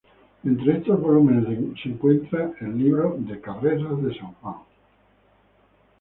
Entre estos volúmenes de encuentra el libro de "Carreras de San Juan".